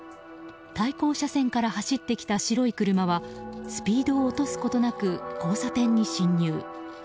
対向車線から走ってきた白い車はスピードを落とすことなく交差点に進入。